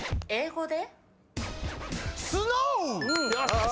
英語で？